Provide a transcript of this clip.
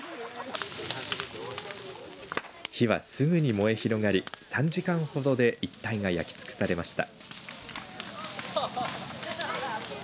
火はすぐに燃え広がり３時間ほどで一帯が焼き尽くされました。